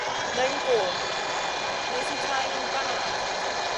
Výrazem samosprávy těchto zemí byly zemské sněmy a z nich odvozené zemské výbory.